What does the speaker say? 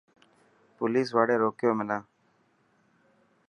پوليس واڙي رڪيو منا.